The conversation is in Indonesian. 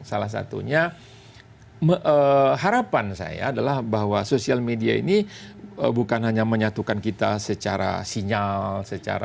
salah satunya harapan saya adalah bahwa sosial media ini bukan hanya menyatukan kita secara sinyal